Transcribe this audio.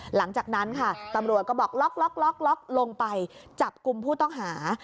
หลังจากนั้นค่ะตำรวจก็บอกล็อกลงไปจับกลุ่มผู้ต้องหา